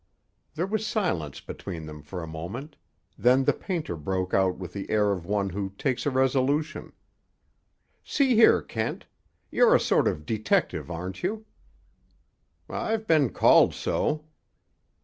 There was silence between them for a moment; then the painter broke out with the air of one who takes a resolution: "See here, Kent! You're a sort of detective, aren't you?" "I've been called so."